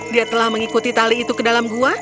dia telah mengikuti tali itu ke dalam gua